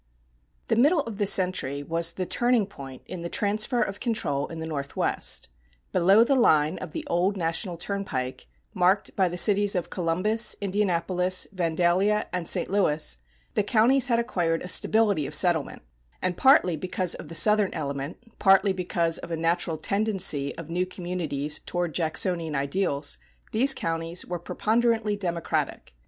The middle of the century was the turning point in the transfer of control in the Northwest. Below the line of the old national turnpike, marked by the cities of Columbus, Indianapolis, Vandalia, and St. Louis, the counties had acquired a stability of settlement; and partly because of the Southern element, partly because of a natural tendency of new communities toward Jacksonian ideals, these counties were preponderantly Democratic.